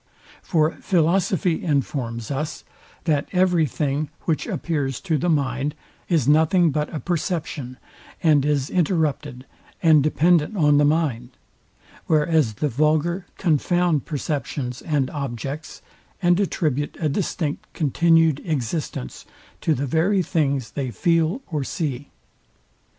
For philosophy informs us, that every thing, which appears to the mind, is nothing but a perception, and is interrupted, and dependent on the mind: whereas the vulgar confound perceptions and objects, and attribute a distinct continued existence to the very things they feel or see.